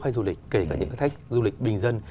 khách du lịch kể cả những khách du lịch bình dân